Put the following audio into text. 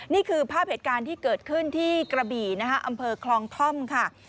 นี่คือภาพเหตุการณ์ที่เกิดขึ้นที่กระบี่นะคะอำเภอคลองท่อมค่ะ